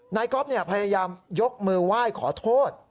ก๊อฟพยายามยกมือไหว้ขอโทษ